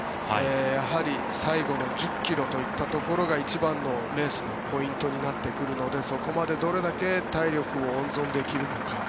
やはり最後の１０ｋｍというところが一番のレースのポイントになってくるのでそこまでどれだけ体力を温存できるのか。